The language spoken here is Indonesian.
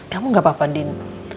kamu gak apa apa din